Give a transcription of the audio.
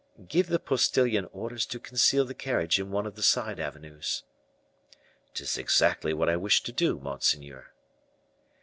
"Give the postilion orders to conceal the carriage in one of the side avenues." "'Tis exactly what I wished to do, monseigneur."